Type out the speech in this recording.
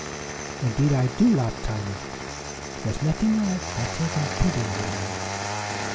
"Indeed I do," laughed Tiny; "there's nothing I like better than pudding, you know."